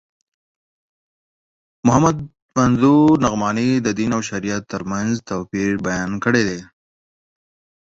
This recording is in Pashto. محمد منظور نعماني د دین او شریعت تر منځ توپیر بیان کړی دی.